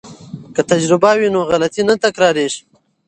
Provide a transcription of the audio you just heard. که تجربه وي نو غلطي نه تکراریږي.